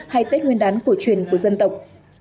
hay tết nguyên đán cổ truyền của dân tộc